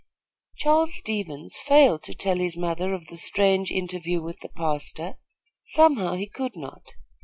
Charles Stevens failed to tell his mother of the strange interview with the pastor, somehow he could not.